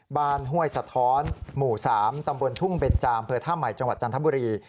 บ้านห้วยสะท้อนหมู่๓ตำบลทุ่งเบนจามเผื่อท่าใหม่จันทบุรี